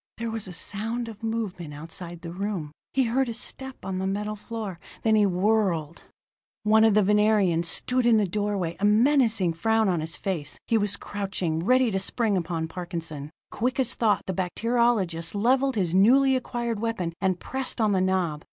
There was a sound of movement outside the room he heard a step on the metal floor then he whirled. One of the Venerians stood in the doorway, a menacing frown on his face. He was crouching, ready to spring upon Parkinson. Quick as thought, the bacteriologist leveled his newly acquired weapon, and pressed on the knob.